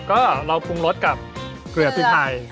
ก็เราปรุงรสกับเกลือพริกไทย